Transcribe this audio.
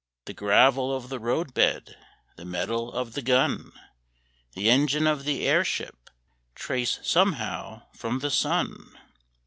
The gravel of the roadbed, The metal of the gun, The engine of the airship Trace somehow from the sun.